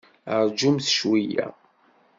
Rjumt cweyya!